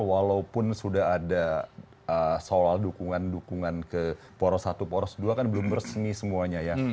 walaupun sudah ada soal dukungan dukungan ke poros satu poros dua kan belum resmi semuanya ya